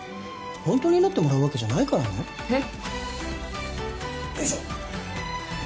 ホントになってもらうわけじゃないからねえっ？